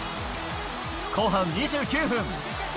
後半２９分。